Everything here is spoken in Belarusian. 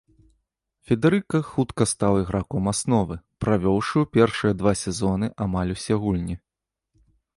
Федэрыка хутка стаў іграком асновы, правёўшы ў першыя два сезоны амаль усе гульні.